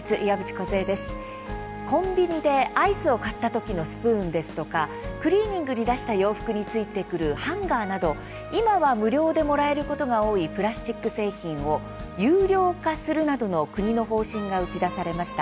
コンビニでアイスを買ったときのスプーンやクリーニングに出した洋服についてくるハンガーなど今は無料でもらえることが多いプラスチック製品を有料化するなどの国の方針が打ち出されました。